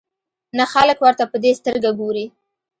نه خلک ورته په دې سترګه ګوري.